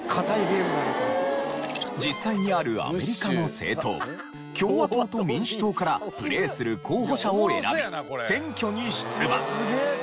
実際にあるアメリカの政党共和党と民主党からプレーする候補者を選び選挙に出馬。